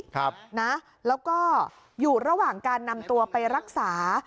แล้วก็หยุดระหว่างการนำตัวไปรักษา